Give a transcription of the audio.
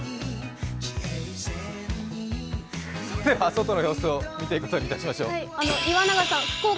外の様子を見ていくことにしましょう。